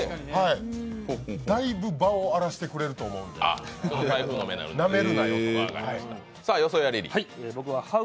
だいぶ場を荒らしてくれると思うので、なめるなよと。